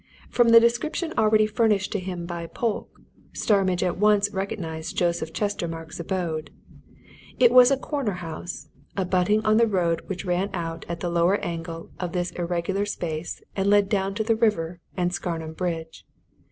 From the description already furnished to him by Polke, Starmidge at once recognized Joseph Chestermarke's abode. It was a corner house, abutting on the road which ran out at the lower angle of this irregular space and led down to the river and Scarnham Bridge.